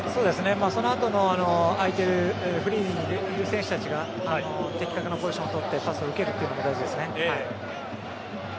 その後の空いているフリーにいる選手たちが的確なポジションを取ってパスを受けるのが大事です。